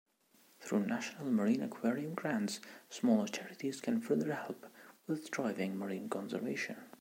Through National Marine Aquarium grants smaller charities can further help with driving marine conservation.